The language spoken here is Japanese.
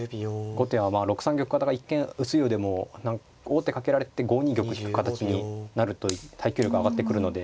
後手はまあ６三玉型が一見薄いようでも王手かけられて５二玉引く形になると耐久力上がってくるので。